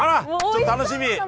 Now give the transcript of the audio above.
ちょっと楽しみ！